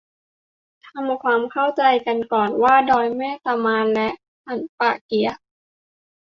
ทำความเข้าใจกันก่อนว่า ดอยแม่ตะมาน และ สันป่าเกี๊ยะ